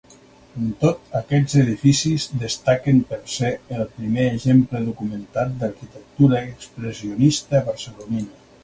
Amb tot, aquests edificis destaquen per ser el primer exemple documentat d'arquitectura expressionista barcelonina.